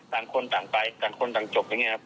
ต่างคนต่างไปต่างคนต่างจบนะครับ